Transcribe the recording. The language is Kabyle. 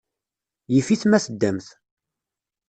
Yif-it ma teddamt.